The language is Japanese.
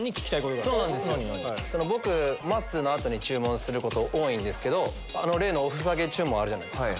僕まっすーの後に注文すること多いんですけど例のおふざけ注文あるじゃないですか。